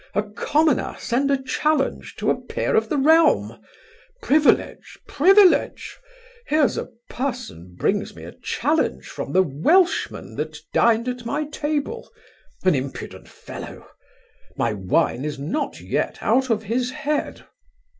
a commoner send a challenge to a peer of the realm! Privilege! privilege! Here's a person brings me a challenge from the Welshman that dined at my table An impudent fellow. My wine is not yet out of his head.